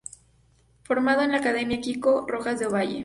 Formado en la Academia Kiko Rojas de Ovalle.